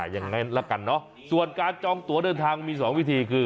ยังไงละกันเนอะส่วนการจองตัวเดินทางมี๒วิธีคือ